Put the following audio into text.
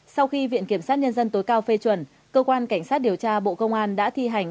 sau khi viện kiểm sát nhân dân tối cao phê chuẩn cơ quan cảnh sát điều tra bộ công an đã thi hành